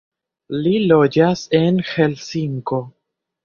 Li loĝas en Helsinko.